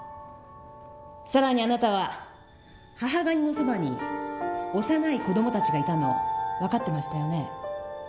更にあなたは母ガニのそばに幼い子どもたちがいたのを分かってましたよね？